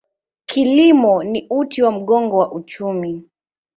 Kilimo ni uti wa mgongo wa uchumi.